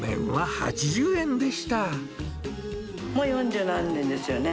もう四十何年ですよね。